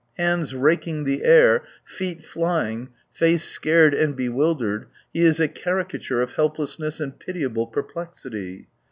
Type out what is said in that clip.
Hands raking the air, feet flying, face scared and bewildered, he is a caricature of help lessness and pitiable perplexity.